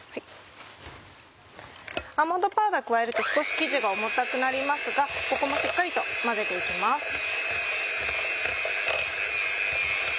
アーモンドパウダーを加えると少し生地が重たくなりますがここもしっかりと混ぜて行きます。